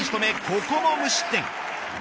ここも無失点。